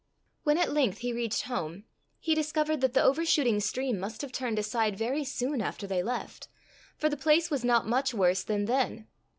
When at length he reached home, he discovered that the overshooting stream must have turned aside very soon after they left, for the place was not much worse than then.